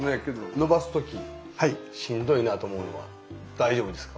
伸ばす時しんどいなと思うのは大丈夫ですか？